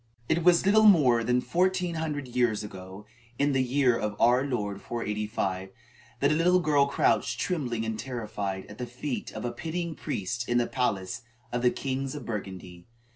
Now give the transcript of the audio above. It was little more than fourteen hundred years ago, in the year of our Lord 485, that a little girl crouched trembling and terrified, at the feet of a pitying priest in the palace of the kings of Burgundy.